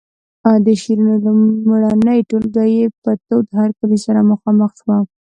د شعرونو لومړنۍ ټولګه یې په تود هرکلي سره مخامخ شوه.